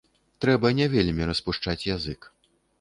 Трэба не вельмі распушчаць язык.